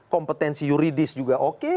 kompetensi yuridis juga oke